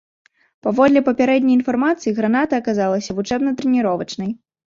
Паводле папярэдняй інфармацыі, граната аказалася вучэбна-трэніровачнай.